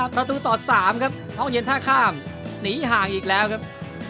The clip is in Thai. ประตูต่อ๓ครับห้องเย็นท่าข้ามหนีห่างอีกแล้วครับ